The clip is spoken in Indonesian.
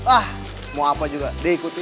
ah mau apa juga diikuti